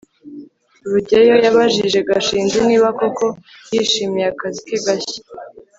rugeyo yabajije gashinzi niba koko yishimiye akazi ke gashya